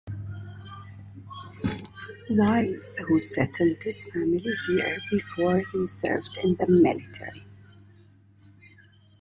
Wise, who settled his family here before he served in the military.